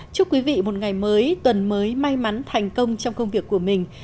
chúc quý vị một ngày mới tuần mới may mắn thành công trong công việc của mình